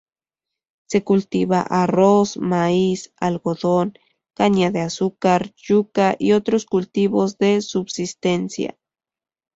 Se cultiva arroz, maíz, algodón, caña de azúcar, yuca y otros cultivos de subsistencia.